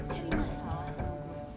cari masalah sih